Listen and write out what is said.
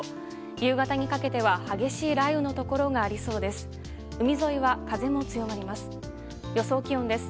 夕方にかけては激しい雷雨のところがありそうです。